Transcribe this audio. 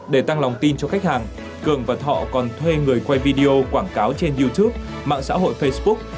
để tăng lòng tin cho khách hàng cường và thọ còn thuê người quay video quảng cáo trên youtube mạng xã hội facebook